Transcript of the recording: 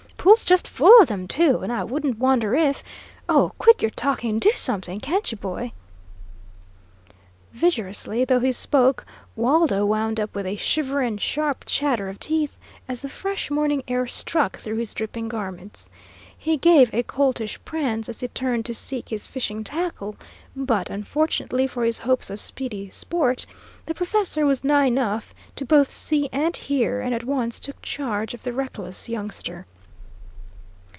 Pool's just full of them, too, and I wouldn't wonder if oh, quit your talking, and do something, can't you, boy?" Vigorously though he spoke, Waldo wound up with a shiver and sharp chatter of teeth as the fresh morning air struck through his dripping garments. He gave a coltish prance, as he turned to seek his fishing tackle; but, unfortunately for his hopes of speedy sport, the professor was nigh enough to both see and hear, and at once took charge of the reckless youngster.